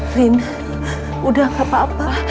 rin udah gak apa apa